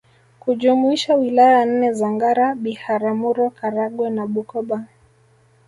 kujumuisha Wilaya nne za Ngara Biharamuro Karagwe na Bukoba